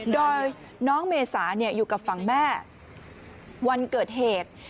โดยน้องเมษาอยู่กับฝั่งแม่วันเกิดเหตุ